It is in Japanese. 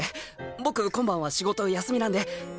僕今晩は仕事休みなんでっ。